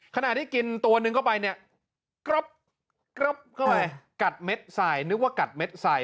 ขณะที่กินตัวนึงเข้าไปเนี่ยกรอบเข้าไปกัดเม็ดใส่นึกว่ากัดเด็ดใส่